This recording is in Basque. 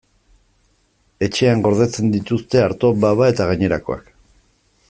Etxean gordetzen dituzte arto, baba eta gainerakoak.